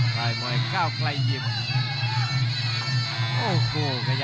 ข้าวมวยข้าวไกรหยิบ